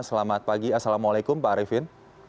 selamat pagi assalamualaikum pak arifin